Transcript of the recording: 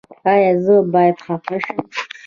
ایا زه باید خفه شم؟